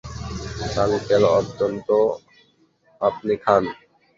Uncle, অন্তত আপনি খান।